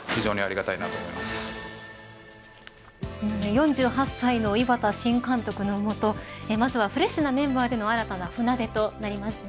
４８歳の井端新監督の下まずはフレッシュなメンバーでの新たな船出となりますね。